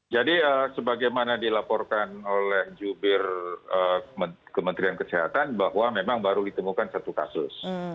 jadi sebagaimana dilaporkan oleh jubir kementerian kesehatan bahwa memang baru ditemukan satu kasus